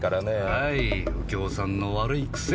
はい右京さんの悪い癖。